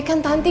aku mau ngerti